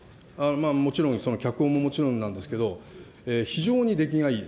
もちろん、脚本ももちろんなんですけど、非常にできがいい。